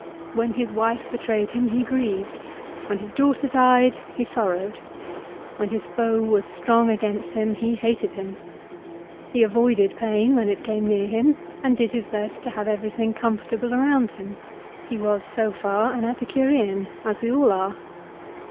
When his wife betrayed him he grieved. When his daughter died, he sorrowed. When his foe was strong against him, he hated him. He avoided pain when it came near him, and. did his best to have everything comfortable around him. He was so far an Epicurean, as we all are.